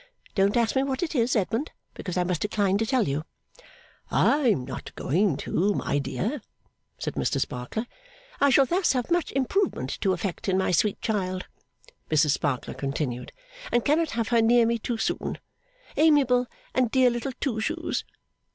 Don't ask me what it is, Edmund, because I must decline to tell you.' 'I am not going to, my dear,' said Mr Sparkler. 'I shall thus have much improvement to effect in my sweet child,' Mrs Sparkler continued, 'and cannot have her near me too soon. Amiable and dear little Twoshoes!